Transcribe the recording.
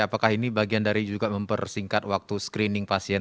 apakah ini bagian dari juga mempersingkat waktu screening pasien